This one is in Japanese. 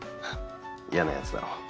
嫌なやつだろ。